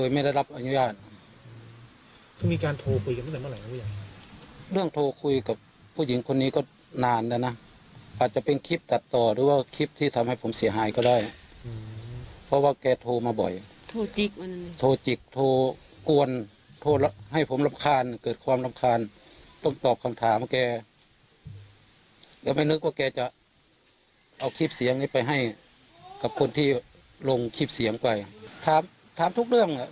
มีการโทษคุยกับผู้หญิงคนนี้ก็นานแล้วนะอาจจะเป็นคลิปตัดต่อหรือว่าคลิปที่ทำให้ผมเสียหายก็ได้เพราะว่าแกโทษมาบ่อยโทษจิกโทษจิกโทษกวนโทษให้ผมรำคาญเกิดความรำคาญต้องตอบคำถามแกยังไม่นึกว่าแกจะเอาคลิปเสียงนี้ไปให้กับคนที่ลงคลิปเสียงไปถามถามทุกเรื่อง